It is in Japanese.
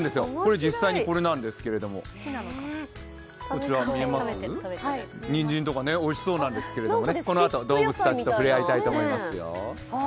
実際にこれなんですけれども、にんじんとかおいしそうなんですけれども、このあと動物たちと触れ合いたいと思います。